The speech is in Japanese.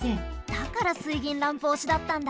だから水銀ランプおしだったんだ。